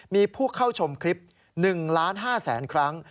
มีผู้เข้าชมคลิป๑๕๐๐๐๐๐ครั้ง